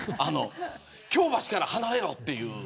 京橋から離れろっていう。